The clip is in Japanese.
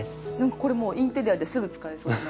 これもうインテリアですぐ使えそうな。